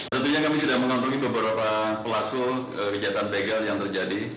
tentunya kami sudah mengontrol beberapa pelaku kejadian begal yang terjadi